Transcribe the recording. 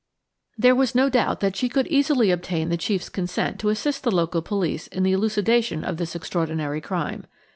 There was no doubt that she could easily obtain the chief's consent to assist the local police in the elucidation of this extraordinary crime.